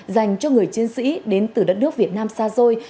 dành cho người chiến sĩ đến từ đất nước việt nam xa xôi